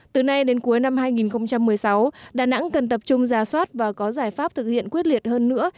từ nay đến cuối năm hai nghìn một mươi sáu đà nẵng cần tập trung ra soát và có giải pháp thực hiện quyết liệt hơn nữa